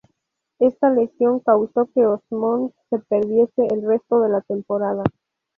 Esta lesión causó que Osmond se perdiese el resto de la temporada.